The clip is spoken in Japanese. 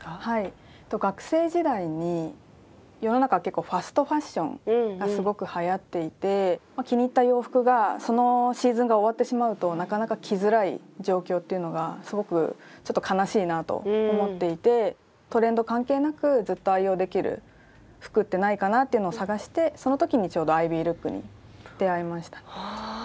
はい学生時代に世の中結構ファストファッションがすごくはやっていて気に入った洋服がそのシーズンが終わってしまうとなかなか着づらい状況っていうのがすごくちょっと悲しいなと思っていてトレンド関係なくずっと愛用できる服ってないかなっていうのを探してその時にちょうどアイビールックに出会いました。